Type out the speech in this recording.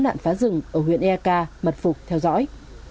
nạn phá rừng ở huyện eka mật phục theo dõi